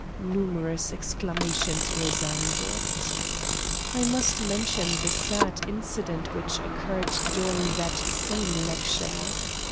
numerous exclamations resounded. I must mention the sad incident which occurred during that same lecture.